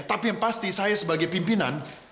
tapi yang pasti saya sebagai pimpinan